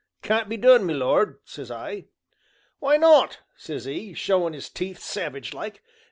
'Can't be done, my lord,' says I. 'W'y not?' says 'e, showin' 'is teeth savage like.